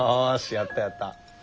やったやった！